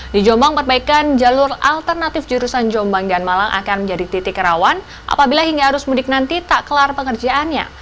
di jombang perbaikan jalur alternatif jurusan jombang dan malang akan menjadi titik rawan apabila hingga arus mudik nanti tak kelar pengerjaannya